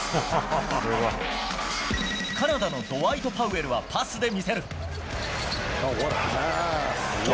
カナダのドワイト・パウエルは、パスで見せる。